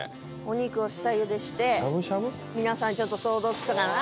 お肉を下茹でして皆さんちょっと想像つくかな？